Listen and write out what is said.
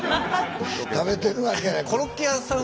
食べてるわけない。